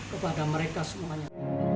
kepada mereka semuanya